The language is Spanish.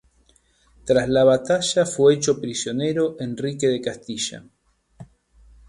Tras la batalla fue hecho prisionero Enrique de Castilla